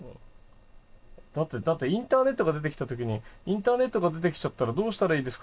だってインターネットが出てきた時に「インターネットが出てきちゃったらどうしたらいいですか？」